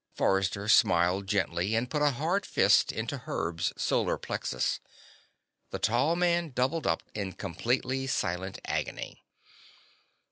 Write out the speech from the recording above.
Forrester smiled gently and put a hard fist into Herb's solar plexus. The tall man doubled up in completely silent agony.